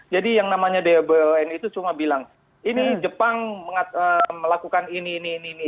jadi yang namanya dbon itu cuma bilang ini jepang melakukan ini ini ini